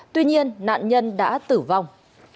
tuy nhiên nạn nhân đã tử vong